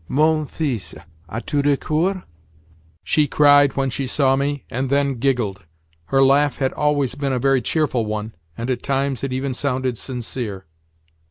"Mon fils, as tu du cœur?" she cried when she saw me, and then giggled. Her laugh had always been a very cheerful one, and at times it even sounded sincere.